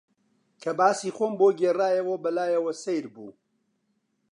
کە باسی خۆم بۆ گێڕایەوە، بە لایەوە سەیر بوو